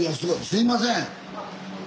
すいません！